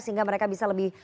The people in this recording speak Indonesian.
sehingga mereka bisa lebih